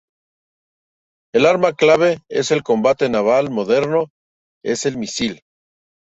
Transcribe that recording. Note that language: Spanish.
El arma clave en el combate naval moderno es el misil.